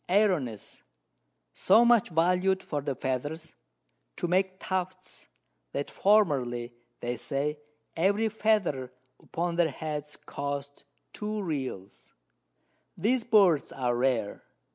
Airones, so much valued for the Feathers, to make Tufts, that formerly, they say, every Feather upon their Heads cost 2 Reals. These Birds are rare.